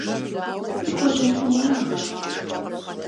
Сыт хуэдэ щыуагъэ?